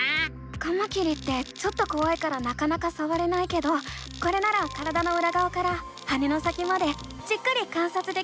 カマキリってちょっとこわいからなかなかさわれないけどこれなら体のうらがわから羽の先までじっくり観察できるね！